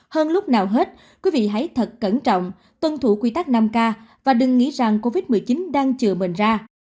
hơn lúc nào hết quý vị hãy thật cẩn trọng tuân thủ quy tắc năm k và đừng nghĩ rằng covid một mươi chín đang chừa mình ra